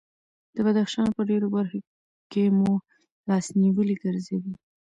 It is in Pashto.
د بدخشان په ډېرو برخو کې مو لاس نیولي ګرځوي.